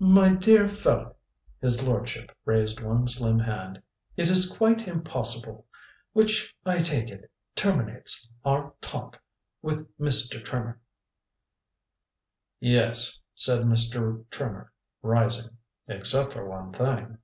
"My dear fellow." His lordship raised one slim hand. "It is quite impossible. Which, I take it, terminates our talk with Mr. Trimmer." "Yes," said Mr. Trimmer, rising. "Except for one thing.